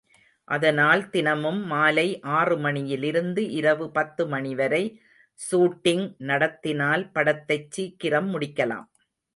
அதனால் தினமும் மாலை ஆறு மணியிலிருந்து இரவு பத்து மணிவரை சூட்டிங் நடத்தினால் படத்தைச் சீக்கிரம் முடிக்கலாம்.